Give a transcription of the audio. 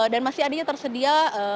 dan masih adanya tersedia